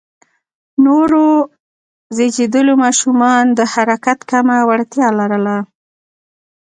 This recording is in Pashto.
نوو زېږیدليو ماشومان د حرکت کمه وړتیا لرله.